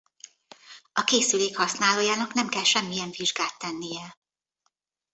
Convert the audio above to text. A készülék használójának nem kell semmilyen vizsgát tennie.